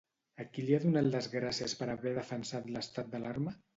A qui li ha donat les gràcies per haver defensat l'estat d'alarma?